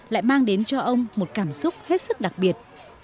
lại mang đến cho ông một cảm xúc hết sức đặc biệt